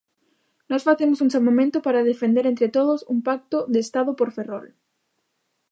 Nós facemos un chamamento para defender entre todos un pacto de estado por Ferrol.